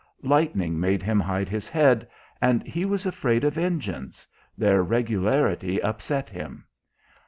Lightning made him hide his head, and he was afraid of engines their regularity upset him.